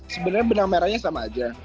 sebenarnya benang merahnya sama aja